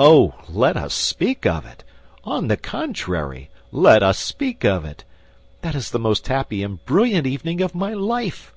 "Oh, let us speak of it; on the contrary, let us speak of it! That is the most happy and brilliant evening of my life!